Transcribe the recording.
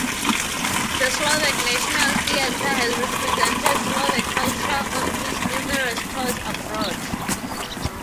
The Slovak National Theater has represented Slovak culture on its numerous tours abroad.